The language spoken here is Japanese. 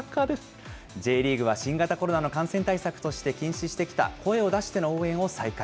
Ｊリーグは新型コロナの感染対策として禁止してきた、声を出しての応援を再開。